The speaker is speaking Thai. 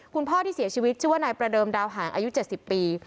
คุณพ่อที่เสียชีวิตชื่อว่านายประเดิมดาวหางอายุ๗๐ปี